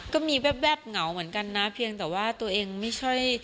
ก็มีแวบเหงาเหมือนกันนะเพียงแต่ว่าตัวเองไม่ใช่